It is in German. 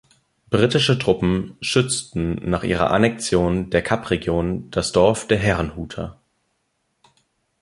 Britische Truppen schützten nach ihrer Annexion der Kapregion das Dorf der Herrnhuter.